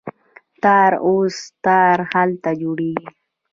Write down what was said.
تار او سه تار هلته جوړیږي.